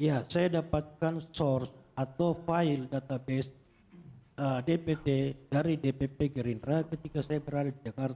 ya saya dapatkan source atau file database dpt dari dpp gerindra ketika saya berada di jakarta